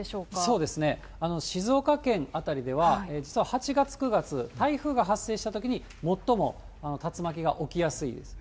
そうですね、静岡県辺りでは、実は８月、９月、台風が発生したときに最も竜巻が起きやすいです。